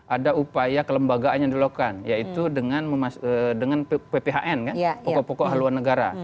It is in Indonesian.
ada upaya kelembagaan yang dilakukan yaitu dengan pphn kan pokok pokok haluan negara